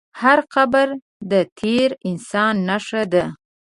هر قبر د تېر انسان نښه ده.